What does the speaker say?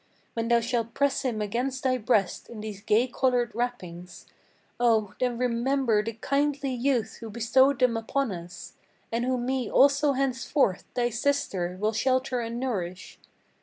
When thou shalt press him against thy breast in these gay colored wrappings, Oh, then remember the kindly youth who bestowed them upon us, And who me also henceforth, thy sister, will shelter and nourish.